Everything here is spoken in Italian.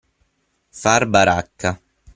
Far baracca.